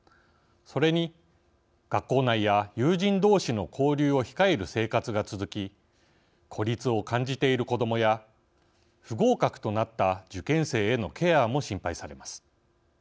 それに学校内や友人同士の交流を控える生活が続き孤立を感じている子どもや不合格となった受験生へのケアも心配されます。